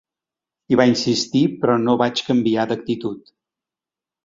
Hi va insistir però no vaig canviar d’actitud.